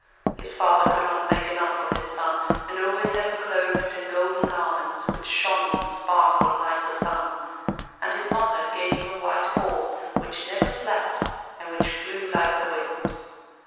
His father could not make enough of his son, and always had him clothed in golden garments which shone and sparkled like the sun; and his mother gave him a white horse, which never slept, and which flew like the wind.